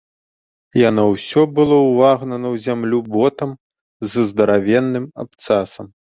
Яно ўсё было ўвагнана ў зямлю ботам з здаравенным абцасам.